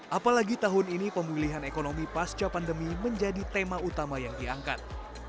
apalagi tahun ini pemulihan ekonomi pasca pandemi menjadi tema utama yang diangkat